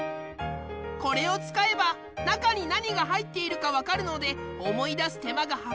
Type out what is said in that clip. これを使えば中に何が入っているか分かるので「思い出す手間」が省けるってワケ！